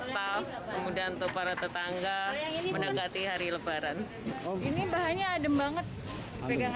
staff kemudian untuk para tetangga menanggati hari lebaran ini bahannya adem banget pegang